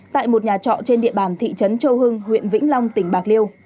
tại một nhà trọ trên địa bàn thị trấn châu hưng huyện vĩnh long tỉnh bạc liêu